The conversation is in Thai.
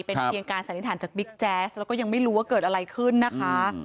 เป็นเพียงการสันนิษฐานจากบิ๊กแจ๊สแล้วก็ยังไม่รู้ว่าเกิดอะไรขึ้นนะคะ